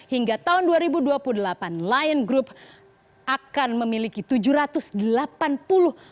hingga tahun dua ribu dua puluh delapan lion group akan memiliki tujuh ratus delapan puluh persen